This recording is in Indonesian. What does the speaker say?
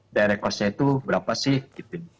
daerah kosnya itu berapa sih gitu